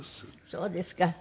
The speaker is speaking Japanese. そうですか。